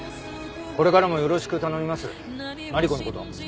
これからもよろしく頼みますマリコの事。